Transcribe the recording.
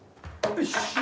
よし！